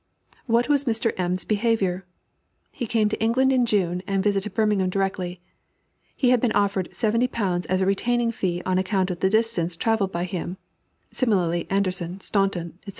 What was Mr. M.'s behavior? He came to England in June, and visited Birmingham directly. He had been offered £70 as a retaining fee on account of the distance travelled by him (similarly Anderssen, Staunton, etc.